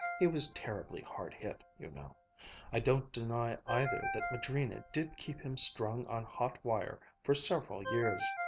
He was terribly hard hit, you know. I don't deny either that Madrina did keep him strung on hot wire for several years.